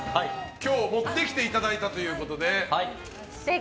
今日、持ってきていただいたということで。